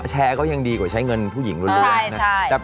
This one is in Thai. แชร์ก็ยังดีกว่าใช้เงินผู้หญิงเรื่อย